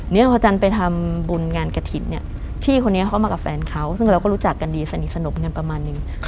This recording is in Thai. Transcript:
เนี่ยพอจันไปทำบุญงานกระถิ่นเนี่ยพี่คนนี้เขามากับแฟนเขาซึ่งเราก็รู้จักกันดีสนิทสนมกันประมาณนึง